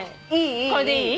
これでいい？